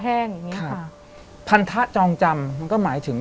แต่ขอให้เรียนจบปริญญาตรีก่อน